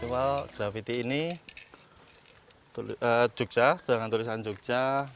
simbol grafiti ini jugja dengan tulisan jugja